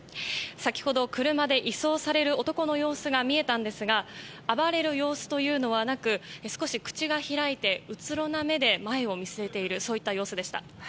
先ほど車で移送される男の様子が見えたんですが暴れる様子はなく少し口が開いて、うつろな目で前を見据えている様子でした。